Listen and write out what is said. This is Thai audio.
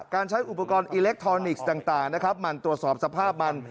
ใช้อุปกรณ์อิเล็กทรอนิกส์ต่างนะครับมันตรวจสอบสภาพมัน